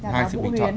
hai sự bình chọn